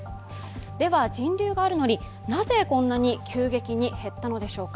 では人流があるのになぜこんなに急激に減ったのでしょうか。